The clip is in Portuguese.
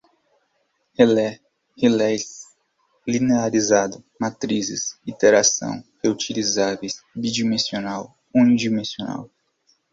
relé, relés, linearizada, matrizes, iteração, reutilizáveis, bidimensional, unidimensional